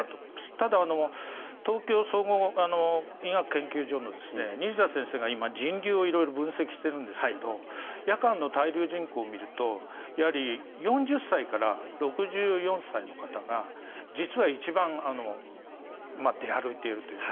ただ東京総合医学研究所の先生が今、人流を分析しているんですが夜間の滞留人口を見るとやはり、４０歳から６４歳の方が実は一番、出歩いているというか。